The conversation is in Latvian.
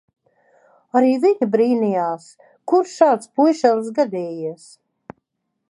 Arī viņa brīnījās, kur tāds puišelis gadījies.